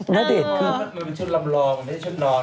มันเป็นชุดลำรองมันเป็นชุดนอน